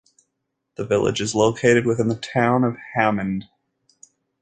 The village is located within the Town of Hammond.